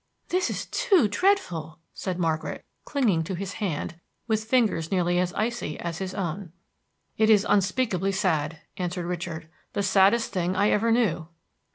"This is too dreadful!" said Margaret, clinging to his hand, with fingers nearly as icy as his own. "It is unspeakably sad," answered Richard, "the saddest thing I ever knew."